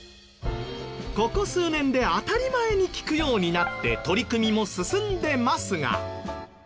ここ数年で当たり前に聞くようになって取り組みも進んでますが。